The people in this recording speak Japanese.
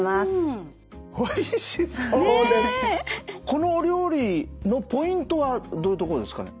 このお料理のポイントはどういうとこですかね？